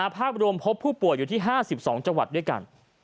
ภาพรวมพบผู้ป่วยอยู่ที่๕๒จังหวัดด้วยกัน